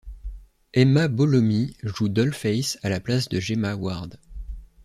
Emma Bellomy joue Dollface à la place de Gemma Ward.